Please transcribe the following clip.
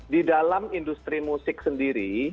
di dalam industri musik sendiri